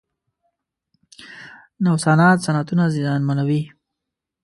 نوسانات صنعتونه زیانمنوي.